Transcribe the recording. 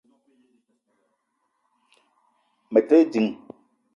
Maa te ding